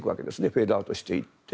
フェードアウトしていって。